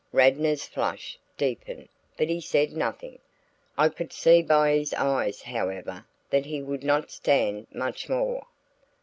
Radnor's flush deepened but he said nothing. I could see by his eyes however that he would not stand much more.